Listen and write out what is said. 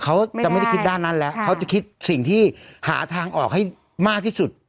เขาจะไม่ได้คิดด้านนั้นแล้วเขาจะคิดสิ่งที่หาทางออกให้มากที่สุด